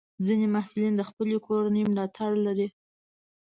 ځینې محصلین د خپلې کورنۍ ملاتړ لري.